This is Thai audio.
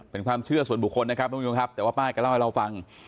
เป็นความเชื่อส่วนบุคคลนะครับแต่ว่าป้าก็เล่าให้เราฟัง